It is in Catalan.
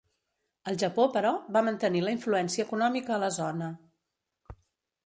El Japó, però, va mantenir la influència econòmica a la zona.